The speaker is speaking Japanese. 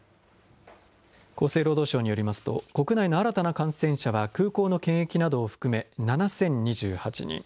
厚生労働省によりますと、国内の新たな感染者は、空港の検疫などを含め、７０２８人。